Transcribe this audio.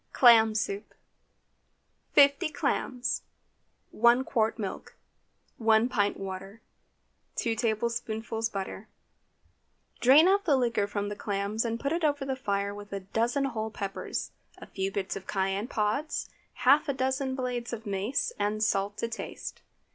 CLAM SOUP. 50 clams. 1 qt. milk. 1 pint water. 2 tablespoonfuls butter. Drain off the liquor from the clams and put it over the fire with a dozen whole peppers, a few bits of cayenne pods, half a dozen blades of mace, and salt to taste.